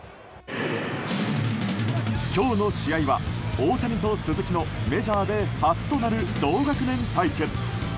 今日の試合は、大谷と鈴木のメジャーで初となる同学年対決。